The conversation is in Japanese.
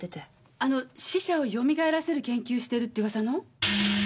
あの死者を蘇らせる研究してるって噂の？